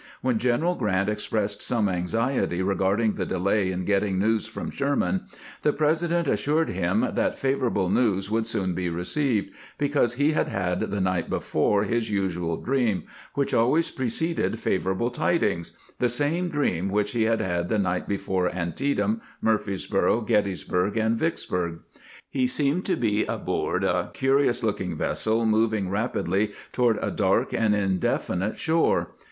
"When General Grant expressed some anxiety regarding the delay in getting news from Sherman, the President assured him that favorable news would soon be received, because he had had the night before his usual dream which always preceded favorable tidings, the same dream which he had had the night before Antietam, Murfreesboro, Gettysburg, and Vicksburg. He seemed to be aboard a. curious looking vessel moving rapidly toward a dark and indefi nite shore.